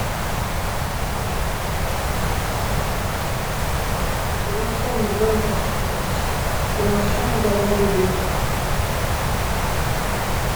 Il enchaîne les bonnes performances et enchaîne également les buts.